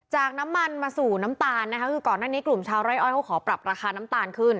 น้ำมันมาสู่น้ำตาลนะคะคือก่อนหน้านี้กลุ่มชาวไร่อ้อยเขาขอปรับราคาน้ำตาลขึ้น